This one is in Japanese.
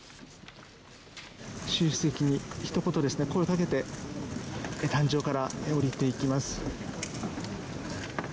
習主席、ひと言声をかけて壇上から降りていきます。